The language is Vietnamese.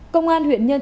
công an huyện nhân thị